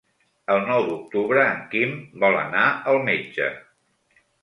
El nou d'octubre en Quim vol anar al metge.